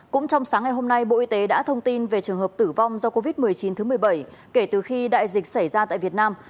cũng trong sáng ngày hôm nay bộ y tế đã thông tin về trường hợp tử vong do covid một mươi chín thứ một mươi bảy kể từ khi đại dịch xảy ra tại việt nam